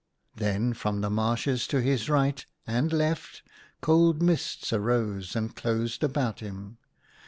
Then from the marshes to his right and left cold mists arose and closed about him.